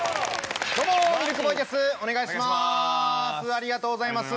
ありがとうございます。